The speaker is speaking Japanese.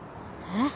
えっ？